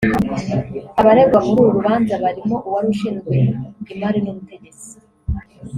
Abaregwa muri uru rubanza barimo uwari ushinzwe Imari n’Ubutegetsi